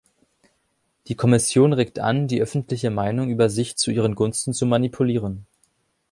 Die Kommission regt an, die öffentliche Meinung über sich zu ihren Gunsten zu manipulieren.